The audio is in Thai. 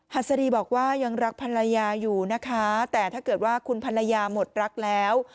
หัสดีบอกว่ายังรักภรรยาอยู่นะคะแต่ถ้าเกิดว่าคุณภรรยาหมดรักแล้ว